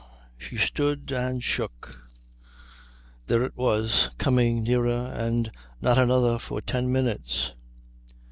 She stood and shook. There it was, coming nearer, and not another for ten minutes.